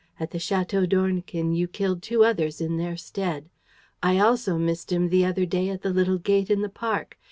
At the Château d'Ornequin you killed two others in their stead. I also missed him the other day at the little gate in the park.